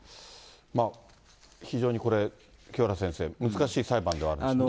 非常にこれ、清原先生、難しい裁判ではあるんでしょうね。